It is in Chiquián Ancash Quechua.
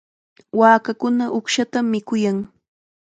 Waakakuna uqshatam mikuyan.